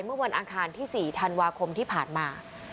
เมื่อวันอังคารที่๔ธันวาคมที่ผ่านมา